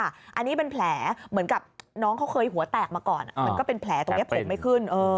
อันนี้เป็นแผลเหมือนกับน้องเขาเคยหัวแตกมาก่อนมันก็เป็นแผลตรงนี้ผมไม่ขึ้น